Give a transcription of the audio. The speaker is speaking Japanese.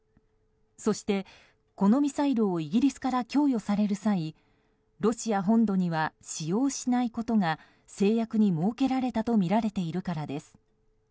そして、このミサイルをイギリスから供与される際ロシア本土には使用しないことが誓約に設けられたとみられているからです。